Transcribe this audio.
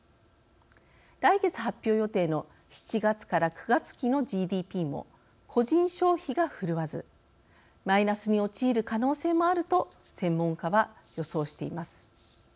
来月発表予定の７月から９月期のＧＤＰも個人消費がふるわずマイナスに陥る可能性もあると専門家は予想しています。